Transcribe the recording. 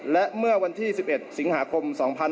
และเมื่อวันที่๑๑สิงหาคม๒๕๖๒